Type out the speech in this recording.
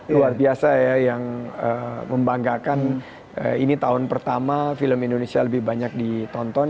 luar biasa ya yang membanggakan ini tahun pertama film indonesia lebih banyak ditonton